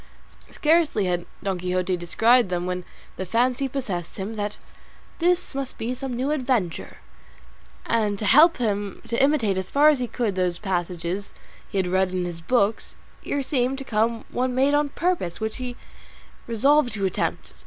Scarcely had Don Quixote descried them when the fancy possessed him that this must be some new adventure; and to help him to imitate as far as he could those passages he had read of in his books, here seemed to come one made on purpose, which he resolved to attempt.